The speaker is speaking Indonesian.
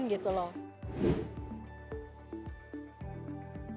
bebasan gitu loh